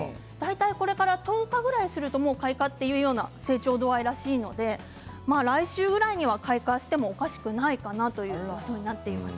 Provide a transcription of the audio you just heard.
これから１０日ぐらいすると開花というような成長度合いらしいので来週ぐらいには開花してもおかしくないかなという予想になっています。